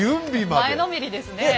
前のめりですねえ。